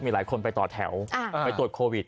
มีหลายคนไปต่อแถวไปตรวจโควิด